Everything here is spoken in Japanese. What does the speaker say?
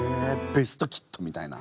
「ベスト・キッド」みたいな。